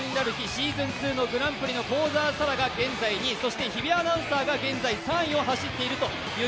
ｓｅａｓｏｎ２のグランプリの幸澤沙良が現在２位、そして日比アナウンサーが３位を走っています。